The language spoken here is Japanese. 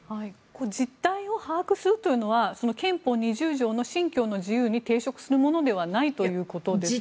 実態を把握するというのは憲法２０条の信教の自由に抵触するものではないということですね。